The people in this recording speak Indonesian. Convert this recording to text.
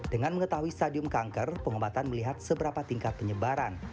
dengan mengetahui stadium kanker pengobatan melihat seberapa tingkat penyebaran